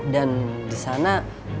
dan di sana